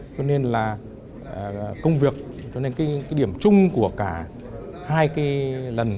cho nên là công việc cho nên cái điểm chung của cả hai cái lần